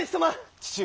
父上。